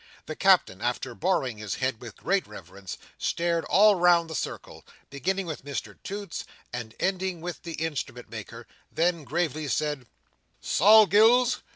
The Captain, after bowing his head with great reverence, stared all round the circle, beginning with Mr Toots, and ending with the Instrument maker; then gravely said: "Sol Gills!